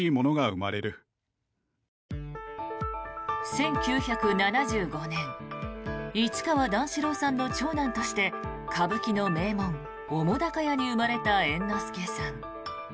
１９７５年市川段四郎さんの長男として歌舞伎の名門・澤瀉屋に生まれた猿之助さん。